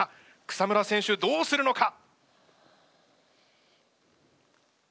草村選手どうするのか？